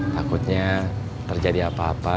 takutnya terjadi apa apa